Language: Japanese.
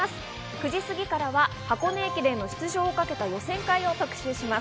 ９時過ぎからは箱根駅伝の出場をかけた予選会を特集します。